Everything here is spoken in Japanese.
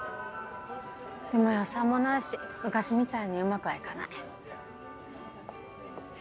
でも予算もないし昔みたいにうまくは行かない。